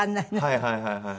はいはいはいはい。